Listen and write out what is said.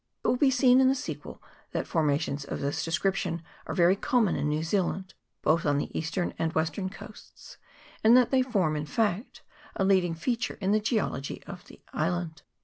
It will be seen in the sequel that formations of this description are very common in New Zealand, both on the eastern arid western coasts, and that they form, in fact, a lead ing feature in the geology of the island.